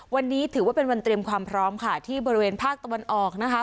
วันนี้ถือว่าเป็นวันเตรียมความพร้อมค่ะที่บริเวณภาคตะวันออกนะคะ